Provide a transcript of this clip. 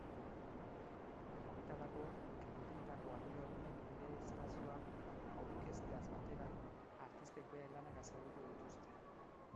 Horretarako, galerietako arduradunek bere espazioa aurkezteaz batera artistek bere lanak azalduko dituzte.